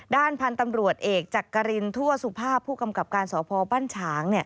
ด้านพันธุ์ตำรวจเอกจักรินทั่วสุภาพผู้กำกับการสพบ้านฉาง